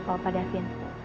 kalo pada finn